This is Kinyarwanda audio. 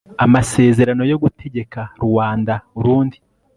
amasezerano yo gutegeka ruanda-urundi